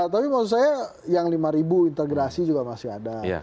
tapi maksud saya yang lima ribu integrasi juga masih ada